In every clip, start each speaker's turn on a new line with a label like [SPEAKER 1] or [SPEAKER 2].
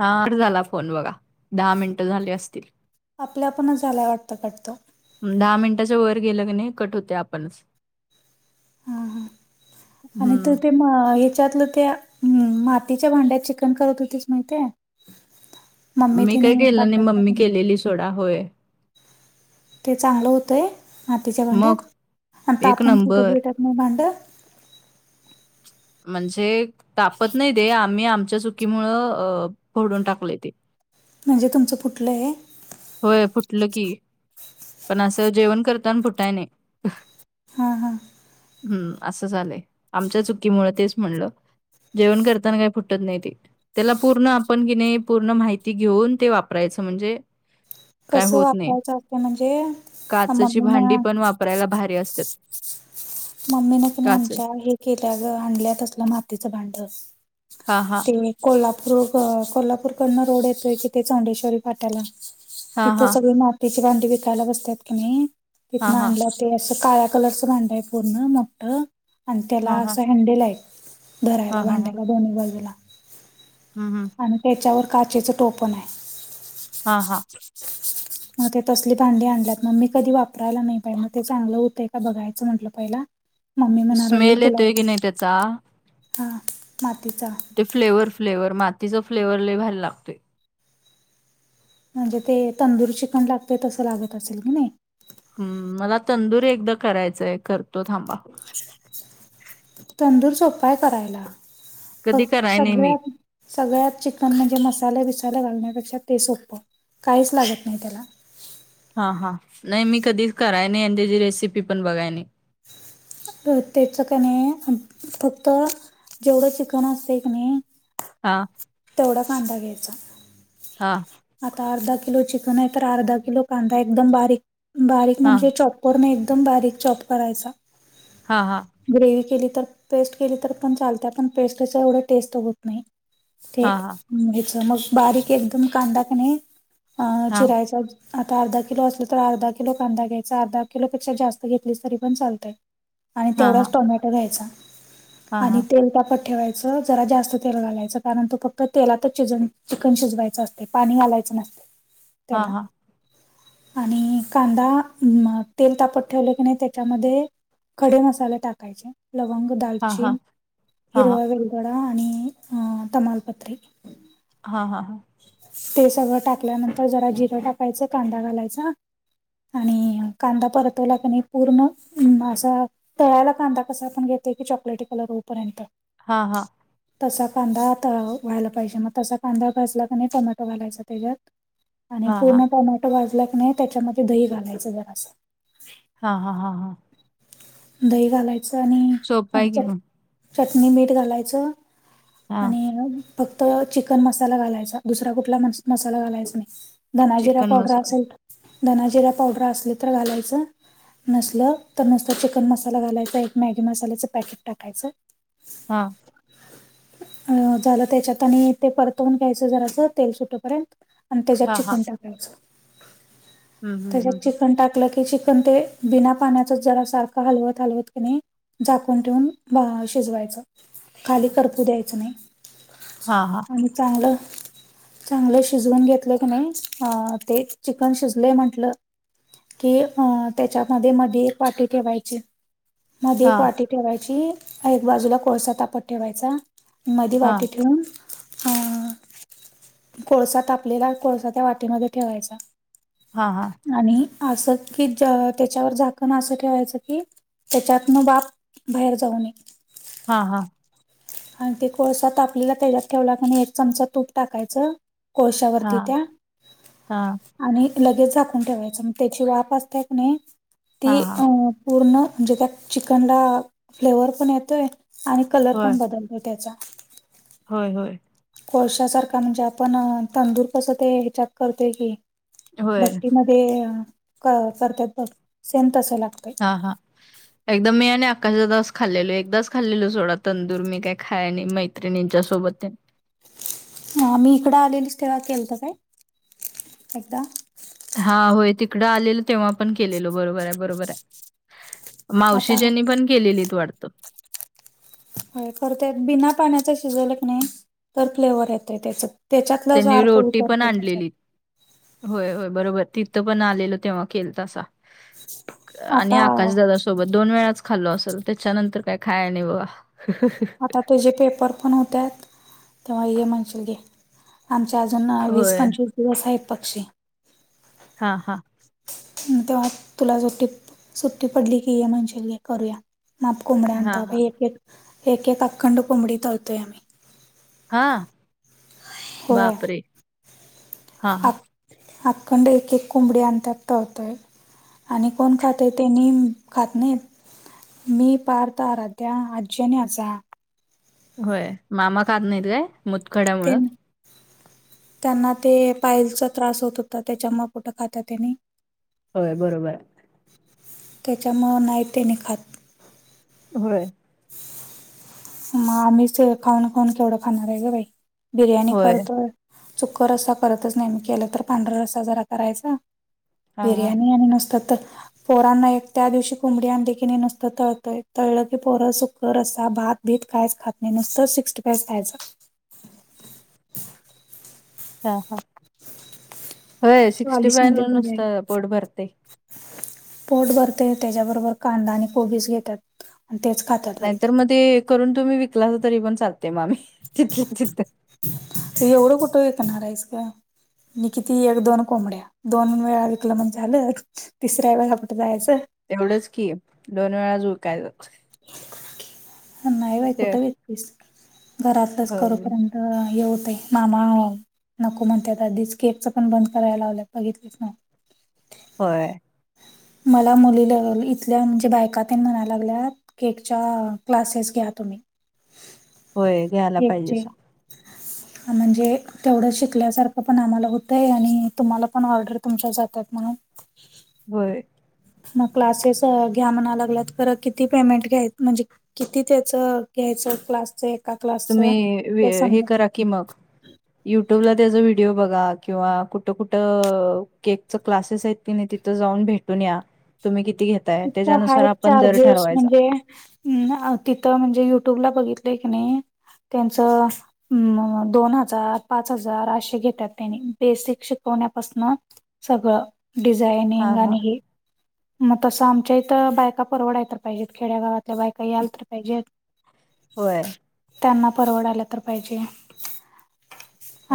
[SPEAKER 1] हार झाला फोन बघा दहा मिनटं झाले असतील.
[SPEAKER 2] आपल्या पणच झाला वाटतं कट तो.
[SPEAKER 1] दहा मिनिटाच्या वर गेलं की, नाही कट होतयं आपणचं.
[SPEAKER 2] हा हा आणि तु ते
[SPEAKER 1] हम्म
[SPEAKER 2] ह्याच्यातलं त्या मातीच्या भांड्यात चिकन करत होतीस, माहितेय. [unintelligible]
[SPEAKER 1] मी काय केलं नाही, मम्मी केलेली सोडा होय.
[SPEAKER 2] ते चांगलं होतय, मातीच्या
[SPEAKER 1] मग
[SPEAKER 2] भांड्यात आणि
[SPEAKER 1] एक
[SPEAKER 2] तापून फुटतं
[SPEAKER 1] नंबर
[SPEAKER 2] बिटतं नाही भांड.
[SPEAKER 1] म्हणजे तापत नाही, ते आम्ही आमच्या चुकीमुळं अ फोडून टाकलोय ते.
[SPEAKER 2] म्हणजे तुमचं फुटलयं.?
[SPEAKER 1] होय, फुटलं की. पण असं जेवण करताना फुटाय नाही.
[SPEAKER 2] हा हा.
[SPEAKER 1] हम्म! असं झालंय आमच्या चुकीमुळे तेच म्हणलं. जेवण करताना, काही फुटत नाही ते. त्याला पूर्ण आपण किनइ पूर्ण माहिती घेऊन, ते वापरायचं म्हणजे काय
[SPEAKER 2] कस
[SPEAKER 1] होत नाही
[SPEAKER 2] वापरायचं असत, म्हणजे?
[SPEAKER 1] काचेची
[SPEAKER 2] मम्मी न
[SPEAKER 1] भांडी पण वापरायला भारी असतात.
[SPEAKER 2] [unintelligible] मम्मी न किनइ
[SPEAKER 1] काच
[SPEAKER 2] आमच्या हे केल्या गं आणल्या तसलं मातीचं भांड.
[SPEAKER 1] हा हा.
[SPEAKER 2] ते मी कोल्हापूर कोल्हापूर कडन रोड येतोय, कि तो चौडेश्वरी फाट्याला
[SPEAKER 1] हां,
[SPEAKER 2] तिथं
[SPEAKER 1] हां.
[SPEAKER 2] सगळी मातीची भांडी विकायला बसत्यात, कीनइ तिथंन
[SPEAKER 1] हां, हां.
[SPEAKER 2] आणल्यात. ते असं काळ्या कलरचं भांड आहे, पूर्ण मोठ आणि त्याला
[SPEAKER 1] हां, हां.
[SPEAKER 2] असं हँन्टल हाय. धरायला
[SPEAKER 1] हां,
[SPEAKER 2] भांड्यांला दोन्ही बाजूला.
[SPEAKER 1] हा हा.
[SPEAKER 2] आणि त्याच्यावर काचेचं टोपण आहे.
[SPEAKER 1] हा हा.
[SPEAKER 2] [unintelligible] मग ते तसली भांडी आणल्यात, मग मी कधी वापरायला नाही बाई! म ते चांगलं होतयं का बघायचं म्हटलं पहिला मम्मी म्हणा लागली,
[SPEAKER 1] स्मेल
[SPEAKER 2] तुला
[SPEAKER 1] येतोय की नाही त्याचा?
[SPEAKER 2] हा मातीचा
[SPEAKER 1] ते फ्लेवर फ्लेवर मातीचा फ्लेवर लय‌ भारी लागतोय.
[SPEAKER 2] म्हणजे ते तंदूर चिकन लागते तसं लागत असेल, की नाही.
[SPEAKER 1] हम्म! मला तंदुरी एकदा करायचयं करतो, थांबा.
[SPEAKER 2] तंदूर सोप हाय करायला फ
[SPEAKER 1] कधी कराय नाही मी.
[SPEAKER 2] सगळ्यात सगळ्यात चिकन म्हणजे, मसाले विसाले घालण्यापेक्षा ते सोपं काहीच लागत नाही त्याला,
[SPEAKER 1] हा हा नाही मी कधीच कराय नाही, आणि त्याची रेसिपी पण बघाय नाही.
[SPEAKER 2] त्याच क नाही फक्त जेवढं चिकन असते, क नाही.
[SPEAKER 1] हा.
[SPEAKER 2] तेवढा कांदा घ्यायचा.
[SPEAKER 1] हां.
[SPEAKER 2] आता अर्धा किलो चिकन आहे, तर अर्धा किलो कांदा एकदम बारीक बारीक
[SPEAKER 1] हां.
[SPEAKER 2] म्हणजे चॉ चाँपरने एकदम बारीक चॉप करायचा.
[SPEAKER 1] हा हा.
[SPEAKER 2] ग्रेव केली तर पेस्ट केली, तर पण चालत पण पेस्ट कसं एवढं टेस्ट होत नाही. ते
[SPEAKER 1] हां, हां.
[SPEAKER 2] हेच, मग बारीक एकदम कांदा कनाही अ
[SPEAKER 1] हां.
[SPEAKER 2] चिरायचा. आता अर्धा किलो असलं तर अर्धा किलो कांदा घ्यायचा, अर्धा किलोपेक्षा जास्त घेतलीस तरी पण चालतयं. आणि
[SPEAKER 1] हां, हां.
[SPEAKER 2] तेवढाच टोमॅटो घ्यायचा, आणि तेल तापत ठेवायचं. [unintelligible] जरा जास्त तेल घालायचं. कारण, तु फक्त तेलातच शिज चिकन शिजवायचं असतयं पाणी घालायचं नसतयं,
[SPEAKER 1] हां,
[SPEAKER 2] त्याला
[SPEAKER 1] हां.
[SPEAKER 2] आणि कांदा तेल तापत ठेवलं, की नाही त्याच्यामध्ये. खडे मसाले टाकायचे. लवंग,
[SPEAKER 1] हां, हां.
[SPEAKER 2] दालचीन,
[SPEAKER 1] हां, हां.
[SPEAKER 2] हिरवा वेलदोडा आणि तमालपत्री.
[SPEAKER 1] हा हा हा.
[SPEAKER 2] ते सगळं टाकल्यानंतर जरा जिरं टाकायचं, कांदा घालायचं. आणि कांदा परतवला क पूर्ण असा तळाला कांदा कसा आपण घेते की चॉकलेटी कलर होऊपर्यंत
[SPEAKER 1] हा हा
[SPEAKER 2] तसा कांदा व्हायला पाहिजे मग तसा कांदा भजला टमॅटो घालायचा त्याच्यात आणि
[SPEAKER 1] हां, हां.
[SPEAKER 2] पूर्ण टमॅट वाजला क नाही त्याच्यामध्ये दही घालायचं जरा असं
[SPEAKER 1] हा हा हा हा
[SPEAKER 2] दही घालायचं
[SPEAKER 1] सोपं
[SPEAKER 2] आणि
[SPEAKER 1] आहे की मग.
[SPEAKER 2] चटणी मीठ घालायचं
[SPEAKER 1] हां,
[SPEAKER 2] आणि फक्त चिकन मसाला घालायचा दुसरा कुठला मसाला घालायचा नाही धना जिरा
[SPEAKER 1] चिकन
[SPEAKER 2] पावडर
[SPEAKER 1] मसाला.
[SPEAKER 2] असेल धना जिरा पावडर असले तर घालायचं नसल तर नुसत चिकन मसाला घालायचा एक मॅगी मसाल्याच पॅकेट टाकायचं
[SPEAKER 1] हा
[SPEAKER 2] आवाज नाही अ झालं त्याच्यात आणि ते परतवून घ्यायचं जराच तेल सुटेपर्यंत आणि त्याच्यात
[SPEAKER 1] हां, हां.
[SPEAKER 2] चिकन टाकायचं
[SPEAKER 1] हं, हं, हं,
[SPEAKER 2] त्याच्यात
[SPEAKER 1] हं.
[SPEAKER 2] चिकन टाकलं की चिकन ते बिना पाण्याचाच जरा सारखं हलवत हलवत कने झाकून ठेवून शिजवायचं खाली करतू द्यायचं नाही
[SPEAKER 1] हा हा
[SPEAKER 2] आणि चांलं चांगले शिजवून घेतले कने ते चिकन शिजले म्हटलं की अ त्याच्यामध्ये मध्ये एक पाट ठेवायची मध्ये एक वाटी ठेवायची एक बाजूला कोळसा तापत ठेवायचा मध वाटे
[SPEAKER 1] हां,
[SPEAKER 2] ठेून हा कोळसा तापलेला कोळसा त्या वाटीमध्ये ठेवायचा
[SPEAKER 1] हा हा
[SPEAKER 2] आणि असं की त्याच्यावर झाकण ठेवाच की त्याच्यात बाप बाहेर जाऊ नय
[SPEAKER 1] हा हा
[SPEAKER 2] आणि ते कोळसा तापलेला त्याच्यात ठेवला क एक चमच तूप टाकायचं कोळशावरती
[SPEAKER 1] हां, हां,
[SPEAKER 2] त्या
[SPEAKER 1] हां,
[SPEAKER 2] आणि लगेच झाकून ठेवायचं म त्याची वाफ असते क नाही
[SPEAKER 1] हां,
[SPEAKER 2] ती
[SPEAKER 1] हां.
[SPEAKER 2] अ पूर्ण म्हणजे त्या चिकनला फ्लेवर पण येतोय आणि कलर पण
[SPEAKER 1] होय,
[SPEAKER 2] बदलतो त्याचा
[SPEAKER 1] होय होय
[SPEAKER 2] कोळशासारखा म्हणजे आपण तंदूर कसं ते ॅक करते की
[SPEAKER 1] होय.
[SPEAKER 2] भट्टी म करतात से तस लागत
[SPEAKER 1] हा हा एकदाम मी आणि अकाच्या खाल्लेलो एकदाच खाल्लेलो सोडा तंदूर मी काही खाय नाही माहि मत्रिणींच्या सोबत त्यां
[SPEAKER 2] हा मी इकडं आलेली स्टेवा केलत काय एकदा
[SPEAKER 1] हा होय तिकडं आलेल तेव्हा पण केलेल बरोबर आहे बरोबर आहे
[SPEAKER 2] आता
[SPEAKER 1] मावशीजनी पण केलेलीत वाटतं
[SPEAKER 2] खत बिना पाण्याच शिजवलं क नाही तर फ्लेवर येतय त्याच त्याच्यातला ज
[SPEAKER 1] त्यांनी
[SPEAKER 2] अर्क
[SPEAKER 1] रोटी पण
[SPEAKER 2] उतरतो त्याच्यात
[SPEAKER 1] आणलेली. होय होय बरोबर तिथं पण आलेल तेव्हा खेल तसा आणि
[SPEAKER 2] आता
[SPEAKER 1] आकाशदादा सु सोबत दोन वेळाच खाल्लो असेल त्याच्यानंतर काय खाय नाही बघ
[SPEAKER 2] आता त्याचेे पेपर पण होत तेव्हा हे म्हणशील घे आमचे अजून वीस
[SPEAKER 1] होय.
[SPEAKER 2] पंचवीस दिवस आहेत पक्षी
[SPEAKER 1] हा हा.
[SPEAKER 2] तेव्हा तुला सुट्टी सुट्टी पडली की ये म्हणशील करूया ना. कबड्यांत
[SPEAKER 1] हां,
[SPEAKER 2] बा
[SPEAKER 1] हां.
[SPEAKER 2] एकेक एकेक ककंड कुमडी तलतोय आमही
[SPEAKER 1] हा
[SPEAKER 2] होय
[SPEAKER 1] बापरे. हां, हां.
[SPEAKER 2] अखंड एक एक कोंबडी अंतत टळतय. आणि कोण खाते त्यांनी खात नाहीत मी पार तरराध्या आज्जने आचा
[SPEAKER 1] होय मामा काात नाहीत काय मुतखड्यामुं
[SPEAKER 2] [unintelligible] त्यांना ते पायलचा त्रास होत होता त्याच्यामापोटं खाता त्यानी
[SPEAKER 1] होय बरोबर आहे.
[SPEAKER 2] त्याच्यामुळं नाही तेने खातं.
[SPEAKER 1] होय.
[SPEAKER 2] मग आम्हीच खाऊन खाऊन केवढं खाणार आहे. ग बाई बिर्याणी
[SPEAKER 1] होय.
[SPEAKER 2] करतो चुक्क रस्सा करतंच नाही मी केलं तर पांढरा रस्सा जरा करायचा.
[SPEAKER 1] हां, हां.
[SPEAKER 2] बिर्याणी आणि नसतात. पोरांना एक त्या दिवशी कोंबडी आणंदखीने नसतं तळतंय तळलं की पोरं सुकर असा भात भीत कायच खात नाही नुसतं सिक्टी फायचं खायचं.
[SPEAKER 1] हां हां.
[SPEAKER 2] [unintelligible]
[SPEAKER 1] होय सिक्स्टी
[SPEAKER 2] वालीच
[SPEAKER 1] फाय
[SPEAKER 2] म्हणजे
[SPEAKER 1] न
[SPEAKER 2] करूया
[SPEAKER 1] नुसतं पोट भरते.
[SPEAKER 2] पोट भरते त्याच्याबरोबर कांदा आणि कोबीस घेतात. आणि तेच खातात.
[SPEAKER 1] नाहीतर
[SPEAKER 2] माहिती
[SPEAKER 1] मग ते करून तुम्ही विकलास. तरी पण चालते मामी चितलं चित
[SPEAKER 2] त एवढं कुठं येत न राईस का? न किती एक दोन कोंबड्या दोन वेळा विकलं म्हणजे आलं. तिसऱ्याऐवज आपण जायचं.
[SPEAKER 1] तेवढंच की दोन वेळा जूळ कायच.
[SPEAKER 2] नाही बाई
[SPEAKER 1] ते
[SPEAKER 2] कुठे वतीस घरातलंच
[SPEAKER 1] हो,
[SPEAKER 2] करूपर्यंत अ येवत आहे मामा नको म्हणतेत आधीच केपचं पण बंद करायला लावलं बघितच ना.
[SPEAKER 1] होय.
[SPEAKER 2] मला मुलीला इथल्या म्हणजे बायका त ये म्हणायला लागल्यात. केकच्या क्लासेस घ्या तुम्ही.
[SPEAKER 1] होय घ्यायला पाहिजे
[SPEAKER 2] केकचे
[SPEAKER 1] स
[SPEAKER 2] म्हणजे? तेवढं शिकल्यासारखं पण आम्हाला होतंय आणि तुम्हाला पण ऑर्डर तुमच्या जातात. म्हणून
[SPEAKER 1] बरं.
[SPEAKER 2] मग क्लासेस घ्या म्हणा लागला. त पर किती? पेमेंट घ्या म्हणजे किती त्याच घ्यायचं? क्लासच.
[SPEAKER 1] तुम्ही हे करा की मग. युट्यूबला त्याचा व्हिडिओ बघा किंवा कुठं कुठं केक च क्लासेस आहेत. तिने तिथं जाऊन भेटून या तुम्ही किती घेत?
[SPEAKER 2] कितक हाई चार्जेस म्हणजे हम् तिथं म्हणजे युट्यूबला बघितलंय की नाही त्यांच. हम दोन हजार पाच हजार असे घेता. त त्यांनी बेसिक शिकवण्यापासन सगळं
[SPEAKER 1] हा
[SPEAKER 2] डिझायनिंग आणि
[SPEAKER 1] हा.
[SPEAKER 2] हे. मग तसं आमच्या इथ बायका परवडाय तर पाहिजेत खेड्या गावातल्या बाई. का आल तर पाहिजे
[SPEAKER 1] होय.
[SPEAKER 2] त्यांना परवड आला तर पाहिजे.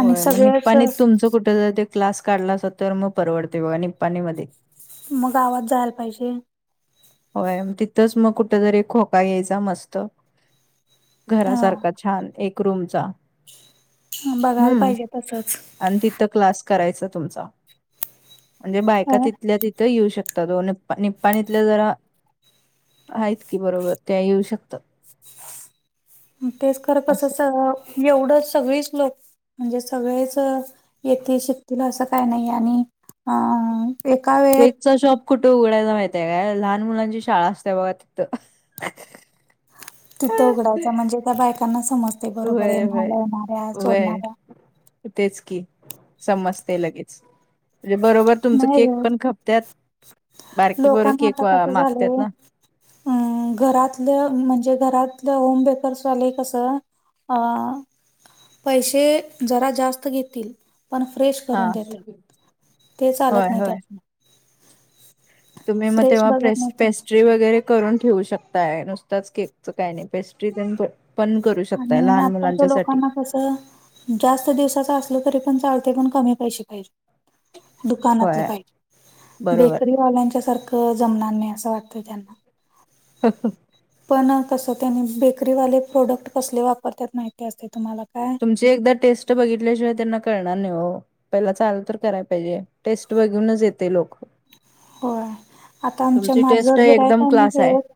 [SPEAKER 2] आणि
[SPEAKER 1] मग
[SPEAKER 2] सगळेच
[SPEAKER 1] नि्पानीत तुमचं कुठं जर ते क्लास काढला असत तर मग परवडते बघा निप्पाणीमध्ये
[SPEAKER 2] मग गावात जायला पाहिजे.
[SPEAKER 1] होय तिथंच मग कुठ जरी खोका घ्यायचा मस्त..
[SPEAKER 2] अ
[SPEAKER 1] घरासारखा छान एक रूमचा
[SPEAKER 2] ह बघायला
[SPEAKER 1] हम्म
[SPEAKER 2] पाहिजे तसंच.
[SPEAKER 1] आणि तिथं क्लास करायचा तुमचा म्हणजे
[SPEAKER 2] अ
[SPEAKER 1] बायका तिथल्या तिथं येऊ शकतं ो निप्पाणीतले जरा. आहेत की बरोबर त्या येऊ शकतात.
[SPEAKER 2] तेच खरं
[SPEAKER 1] असं.
[SPEAKER 2] कसं एवढंच सगळीच लोकं म्हणजे सगळेच येतील शिकतील असं काही नाही आणि अ... एका वेळेत
[SPEAKER 1] केकचा शॉप कुठे उघडायला माहितय काय लहान मुलांची शाळा. बघा तिथं
[SPEAKER 2] तिथं उघडायचं म्हणजे त्या बायकांना समजते बरोबर आहे
[SPEAKER 1] व्हय
[SPEAKER 2] न
[SPEAKER 1] व्हय
[SPEAKER 2] लावणाऱ्या
[SPEAKER 1] व्हय
[SPEAKER 2] सोडणाऱ्या
[SPEAKER 1] तेच की समजतंय लगेच म्हणजे बरोबर तुमचं
[SPEAKER 2] नाही
[SPEAKER 1] केक
[SPEAKER 2] ग
[SPEAKER 1] पण खपतात बारकी पोरं
[SPEAKER 2] लोकांना
[SPEAKER 1] केक
[SPEAKER 2] आता कसं
[SPEAKER 1] मागतात
[SPEAKER 2] झालंय
[SPEAKER 1] ना
[SPEAKER 2] अ घरातल्या म्हणजे घरातलं होमबेकर्सवाले कसं अ पैसे जरा जास्त घेतील पण फ्रेश
[SPEAKER 1] हा
[SPEAKER 2] करून देतात ते
[SPEAKER 1] होय
[SPEAKER 2] चालत नाही त्या
[SPEAKER 1] होय तुम्ही मग
[SPEAKER 2] फ्रेश
[SPEAKER 1] तेव्हा
[SPEAKER 2] बघत
[SPEAKER 1] प्रेस्ट
[SPEAKER 2] नाही
[SPEAKER 1] पेस्ट
[SPEAKER 2] त्यांना.
[SPEAKER 1] पेस्ट्री वगैरे करून ठेवू शकताय नुसताच केकचं काही नाही पेस्ट्री पण करून
[SPEAKER 2] आणि आताच्या लोकांना कसं जास्त दिवसाचा असलो तरी पण चालते पण कमी पैसे पाहिजे दुकानातलं
[SPEAKER 1] होय
[SPEAKER 2] पाे
[SPEAKER 1] बरोबर.
[SPEAKER 2] बेकरीवाल्यांच्या सारख जमणार नाही असं वाटतं त्यांना
[SPEAKER 1] ह ह
[SPEAKER 2] पण कसं त्यानी बेकरीवाले प्रोडक्ट कसले वापरतात माहिती असते तुम्हाला काय
[SPEAKER 1] तुमची एकदा टेस्ट बघितल्याशिवाय त्यांना करणार नाही हो पहिला चाल तर करायला पाहिजे टेस्ट बघूनच येते लोकं
[SPEAKER 2] होय आता आमच्या
[SPEAKER 1] टेस्ट
[SPEAKER 2] माझं गिरायक
[SPEAKER 1] एकदम
[SPEAKER 2] का नाही
[SPEAKER 1] क्लास आहे
[SPEAKER 2] खेळत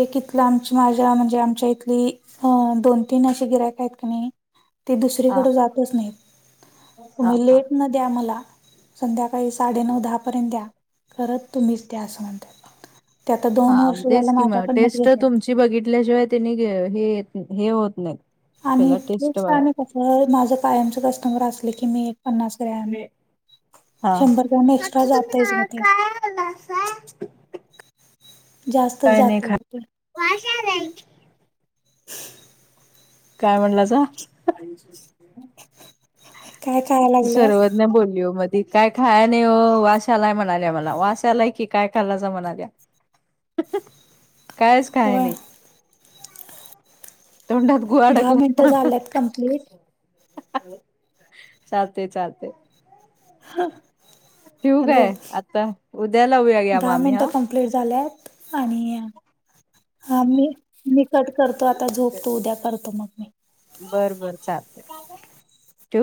[SPEAKER 2] एक इथलं आची माझ्या म्हणजे आमच्या इथली.. ह दोन तीन अे गिरयक आहेत क नाही ती
[SPEAKER 1] हा
[SPEAKER 2] दुसरीकडे जातच नाहीत
[SPEAKER 1] हा
[SPEAKER 2] तुम्ही
[SPEAKER 1] हा
[SPEAKER 2] लेट न द्या मला संध्याकाळी साडे नऊ दहा पर्यंत द्या खत तुम्हीच द्या असं म्हणतात ते आता दोन वर्ष झालं माझ्याकडनच घेतात
[SPEAKER 1] ज बघितल्याशिवाय त्यांनी हे होत नाही
[SPEAKER 2] आणि
[SPEAKER 1] पहिला टेस्ट
[SPEAKER 2] तेच का
[SPEAKER 1] बघा
[SPEAKER 2] कस माझं कायमच कस्टमर असले की मी एक पन्नास ग्रॅम
[SPEAKER 1] हा
[SPEAKER 2] शंभर ग्रॅम एक्स्ट्रा जात आहे मध्ये [inaudible]
[SPEAKER 1] ख काय म्हणला जा
[SPEAKER 2] काय खायला
[SPEAKER 1] ती
[SPEAKER 2] लागलेत
[SPEAKER 1] सर्वज्ञ बोलली म त काय खायने वाश्यालाय म्हणाल्या मला वाशाला की काय खायलाच म्हणाल्या कायच खाय
[SPEAKER 2] होय
[SPEAKER 1] नाही तोंडात गुहा
[SPEAKER 2] दहा मिनटं
[SPEAKER 1] टाकला
[SPEAKER 2] झाल्यात कंप्लीट
[SPEAKER 1] चालते चालते
[SPEAKER 2] हा
[SPEAKER 1] ठठीूक आहे आता उद्याला उया घ्या मग आम्ही हा
[SPEAKER 2] झात आणि आ म निकट करतो आता झोपतो उद्या करतो मग मी
[SPEAKER 1] बर बर चालत ठू